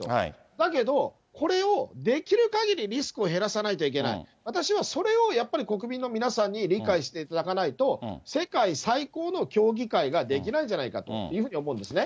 だけど、これをできるかぎりリスクを減らさないといけない、私はそれをやっぱり、国民の皆さんに理解していただかないと、世界最高の競技会ができないんじゃないかというふうに思うんですね。